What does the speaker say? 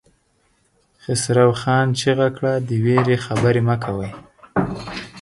خسرو خان چيغه کړه! د وېرې خبرې مه کوئ!